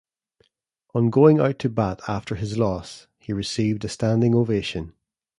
On going out to bat after his loss, he received a standing ovation.